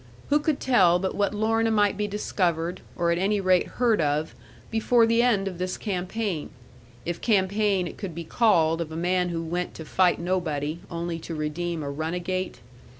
Who could tell but what Lorna might be discovered, or at any rate heard of, before the end of this campaign; if campaign it could be called of a man who went to fight nobody, only to redeem a runagate?